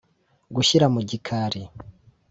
gushyira mu gikari